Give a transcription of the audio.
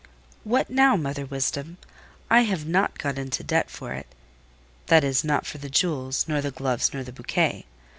"What now, Mother Wisdom? I have not got into debt for it—that is, not for the jewels, nor the gloves, nor the bouquet.